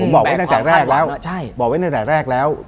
ผมบอกไว้ตั้งแต่แรกแล้ว